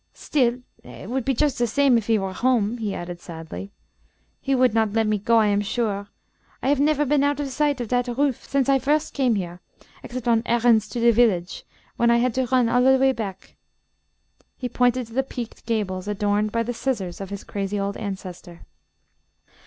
Still it would be just the same if he were home," he added, sadly. "He would not let me go, I am sure. I have never been out of sight of that roof since I first came here, except on errands to the village, when I had to run all the way back." He pointed to the peaked gables, adorned by the scissors of his crazy old ancestor.